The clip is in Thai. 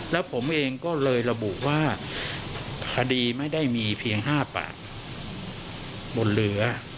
แล้วผมเองก็เลยระบุว่าคดีไม่ได้มีเพียง๕ปากบนเรือ